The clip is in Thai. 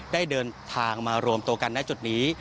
ได้เดินทางมารวมตัวกันในจุดนี้